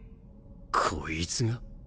こいつが？